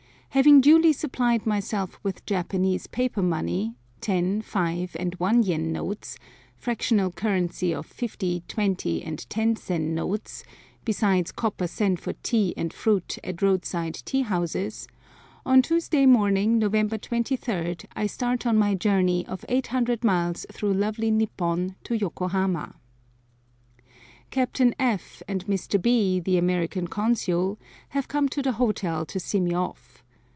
Having duly supplied myself with Japanese paper money ten, five, and one yen notes; fractional currency of fifty, twenty, and ten sen notes, besides copper sen for tea and fruit at road side teahouses, on Tuesday morning, November 23d, I start on my journey of eight hundred miles through lovely Nippon to Yokohama. Captain F and Mr. B, the American consul, have come to the hotel to see me off.